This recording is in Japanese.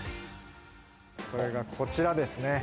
それがこちらですね。